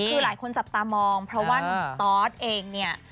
คือหลายคนจับตามองเพราะว่านุ่มตอสเองเนี่ย